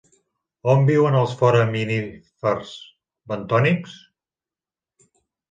On viuen els foraminífers bentònics?